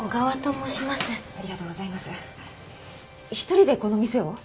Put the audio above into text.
１人でこの店を？